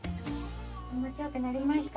気持ちよくなりました。